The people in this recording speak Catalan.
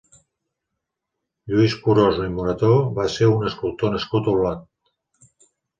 Lluís Curós i Morató va ser un escultor nascut a Olot.